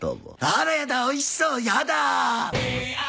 「あらやだおいしそうやだ」